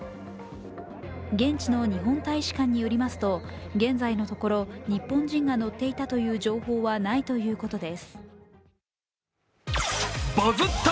現地の日本大使館によりますと現在のところ日本人が乗っていたという情報はないということです。